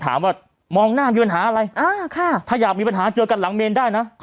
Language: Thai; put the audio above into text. ถามว่ามองหน้ามีปัญหาอะไรอ่าค่ะถ้าอยากมีปัญหาเจอกันหลังเมนได้นะ